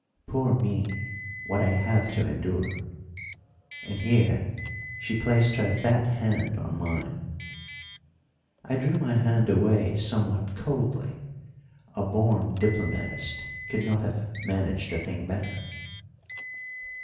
Poor me, what I have to endure!" and here she placed her fat hand on mine. I drew my hand away somewhat coldly; a born diplomatist could not have managed the thing better.